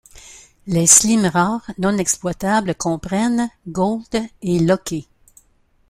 Les slimes rares non exploitables comprennent: Gold et Lucky.